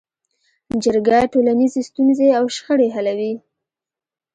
جرګه ټولنیزې ستونزې او شخړې حلوي